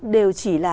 đều chỉ là